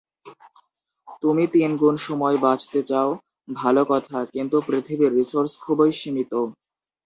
তুমি তিন গুণ সময় বাঁচতে চাও, ভালো কথা, কিন্তু পৃথিবীর রিসোর্স খুবই সীমিত।